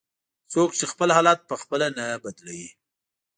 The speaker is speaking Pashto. "څوک چې خپل حالت په خپله نه بدلوي".